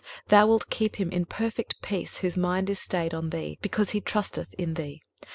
23:026:003 Thou wilt keep him in perfect peace, whose mind is stayed on thee: because he trusteth in thee.